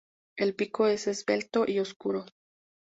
El pico es esbelto y oscuro.